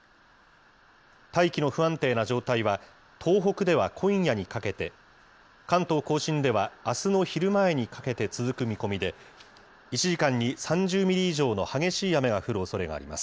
大気の不安定な状態は東北では今夜にかけて、関東甲信ではあすの昼前にかけて続く見込みで、１時間に３０ミリ以上の激しい雨が降るおそれがあります。